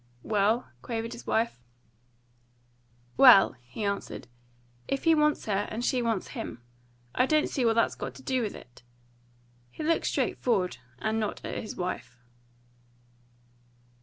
"Well?" quavered his wife. "Well," he answered, "if he wants her, and she wants him, I don't see what that's got to do with it." He looked straight forward, and not at his wife.